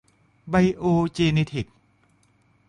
ไบโอเจเนเทค